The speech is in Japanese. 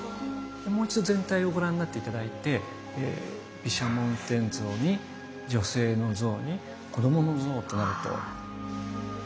もう一度全体をご覧になって頂いて毘沙門天像に女性の像に子どもの像となると。